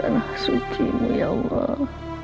anak suci mu ya allah